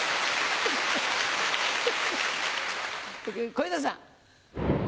小遊三さん。